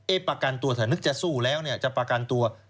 เอ๊ะประกันตัวเธอนึกจะสู้แล้วจะประกันตัว